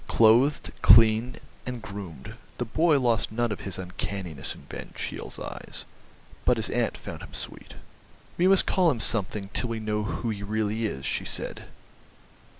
Clothed, clean, and groomed, the boy lost none of his uncanniness in Van Cheele's eyes, but his aunt found him sweet. "We must call him something till we know who he really is," she said.